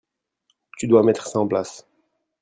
Tu doit mettre ça en place.